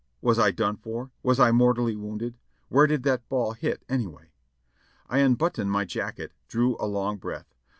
Was I done for? Was I mortally wounded? Where did that ball hit, anyway? I unbuttoned my jacket, drew a long breath.